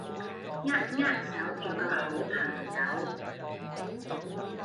扼扼手做個好朋友